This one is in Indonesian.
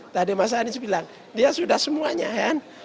tadi mas anies bilang dia sudah semuanya kan